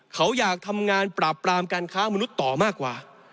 เขาอยากทำงานปราบปรามการค้ามนุษย์ต่อมากกว่า